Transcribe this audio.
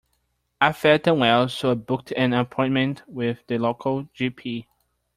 I felt unwell so I booked an appointment with the local G P.